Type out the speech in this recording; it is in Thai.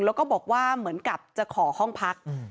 แล้วก็บอกว่าเหมือนกับจะขอห้องพัก